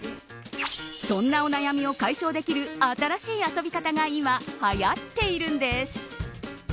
そんなお悩みを解消できる新しい遊び方が今、はやっているんです。